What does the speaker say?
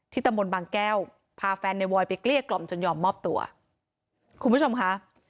ตำบลบางแก้วพาแฟนในบอยไปเกลี้ยกล่อมจนยอมมอบตัวคุณผู้ชมค่ะ